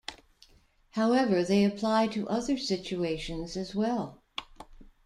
However, they apply to other situations as well.